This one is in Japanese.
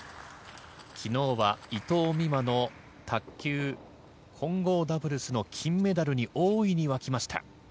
昨日は伊藤美誠の卓球・混合ダブルスの金メダルに大いに沸きました。